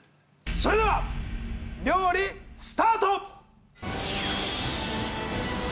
それでは料理スタート！